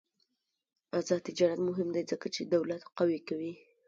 آزاد تجارت مهم دی ځکه چې دولت قوي کوي.